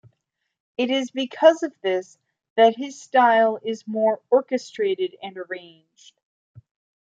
It is because of this that his style is more orchestrated and arranged.